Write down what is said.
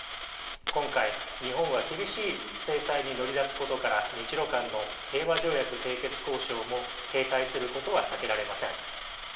今回日本は厳しい制裁に乗り出すことから日ロ間の平和条約締結交渉も停滞することは避けられません。